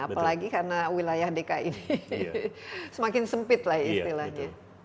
apalagi karena wilayah dki ini semakin sempit lah istilahnya